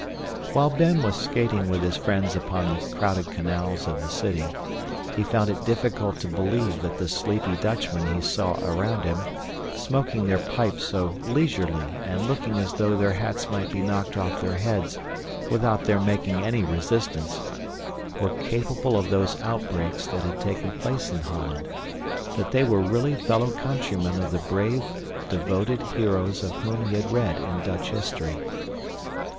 While Ben was skating with his friends upon the crowded canals of the city, he found it difficult to believe that the sleepy Dutchmen he saw around him, smoking their pipes so leisurely and looking as though their hats might be knocked off their heads without their making any resistance, were capable of those outbreaks that had taken place in Holland that they were really fellow countrymen of the brave, devoted heroes of whom he had read in Dutch history.